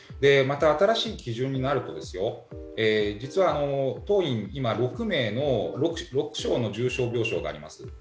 また、新しい基準になると実は当院には今、６床の重症病床があります。